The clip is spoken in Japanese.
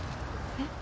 えっ？